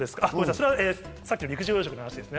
それはさっきの陸上養殖の話です。